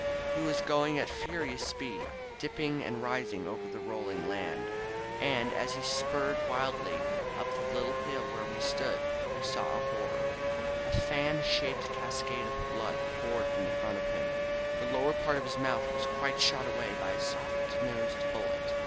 He was going at furious speed, dip ping and rising over the rolling land. .•• And as he spurred wildly up the little hill where we stood, we saw a horror. A fan shaped cascade of blood poured from the front of him. The lower part of his mouth was quite shot away by a soft nosed bullet.